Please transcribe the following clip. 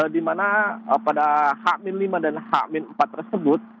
di mana pada h lima dan h empat tersebut